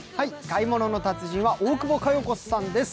「買い物の達人」は大久保佳代子さんです。